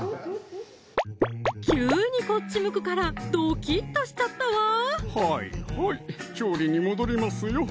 急にこっち向くからドキッとしちゃったわはいはい調理に戻りますよ